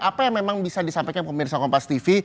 apa yang memang bisa disampaikan pemirsa kompas tv